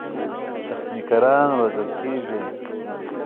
تخنیکران روزل کېږي.